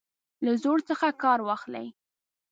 له زور څخه کار واخلي.